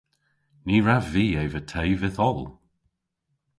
Ny wrav vy eva te vyth oll.